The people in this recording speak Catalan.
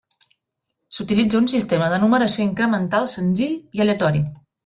S'utilitza un sistema de numeració incremental senzill i aleatori.